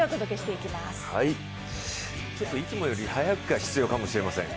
いつもより早起きが必要かもしれません。